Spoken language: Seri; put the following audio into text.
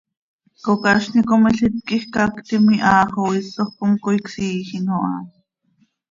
Cocazni com ilít quij cactim iha xo isoj com cói csiijim oo ha.